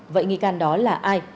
vậy nghi can đó là ai